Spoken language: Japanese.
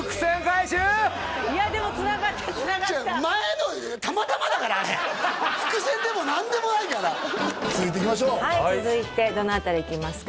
いやでもつながったつながった前のたまたまだからあれ伏線でも何でもないから続いていきましょう続いてどの辺りいきますか？